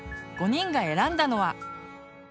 ５人が選んだのは？